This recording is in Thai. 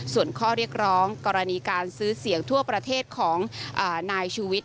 ส่วนข้อเรียกร้องกรณีการซื้อเสียงทั่วประเทศของนายชูวิทย